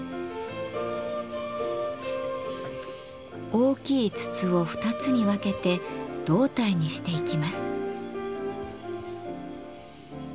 大きい筒を２つに分けて胴体にしていきます。